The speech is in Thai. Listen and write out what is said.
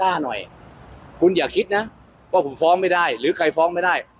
หน่อยคุณอย่าคิดนะว่าผมฟ้องไม่ได้หรือใครฟ้องไม่ได้